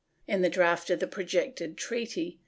In the draft of the projected treaty.